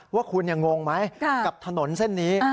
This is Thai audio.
ว่าคุณยังงงไหมกับถนนเส้นนี้